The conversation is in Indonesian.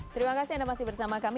terima kasih anda masih bersama kami